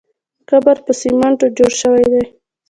قبر په سمېټو جوړ شوی دی.